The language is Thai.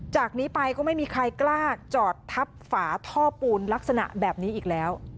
จากนี้ไปก็ไม่มีใครกล้าจอดทับฝาท่อปูนลักษณะแบบนี้อีกแล้ว